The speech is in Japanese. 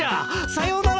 さようなら。